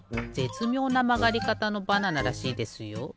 つみょうなまがりかたのバナナらしいですよ。